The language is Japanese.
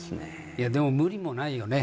いやでも無理もないよね